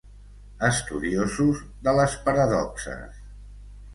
Estudiosos de les paradoxes.